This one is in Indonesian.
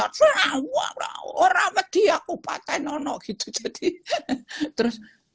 aku mau bunuh diri aku mau kedelah besar rasanya olivier pardana never